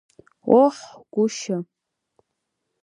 Оҳ, гәышьа!